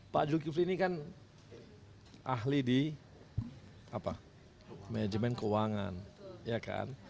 pak zulkifli ini kan ahli di manajemen keuangan